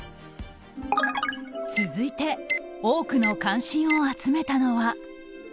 続いて多くの関心を集めたのは。